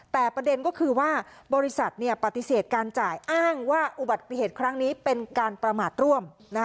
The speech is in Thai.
แต่ประเด็นก็คือว่าบริษัทปฏิเสธการจ่ายอ้างว่าอุบัติเหตุครั้งนี้เป็นการประมาทร่วม